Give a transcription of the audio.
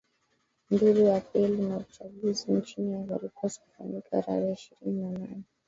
duru ya peli ya uchaguzi nchini ivory coast kufanyika tarehe ishirini na nane